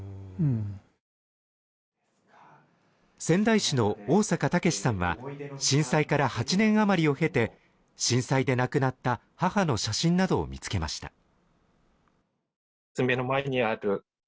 仙台市の大坂健さんは、震災から８年余りを経て、震災で亡くなった母の写真などを見つけました。